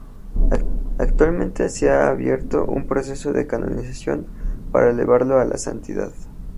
Actualmente se ha abierto un proceso de canonización para elevarlo a la santidad.